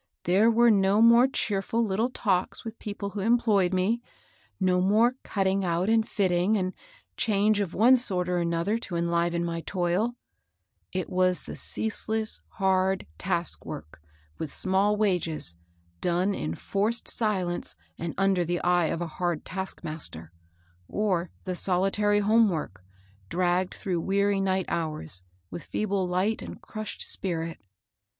There were no more cheerftd Uttle talks with people who em BERTHA GILES. 49 ployed me ; no more, cutting out and fitting, and change of one sort or another to enliven my toil ; it was the ceaseless, hard taskwork, with small wages, done in forced silence, and under the eye of a hard taskmaster; or the solitary home work, dragged through weary night hours, with feeble light and crushed spirit.